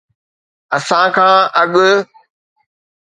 اسان کان اڳ